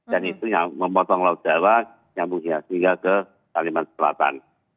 dan itu yang memotong laut dawah nyambungnya sehingga ke kalimantan selatan